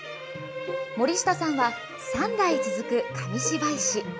森下さんは３代続く紙芝居師。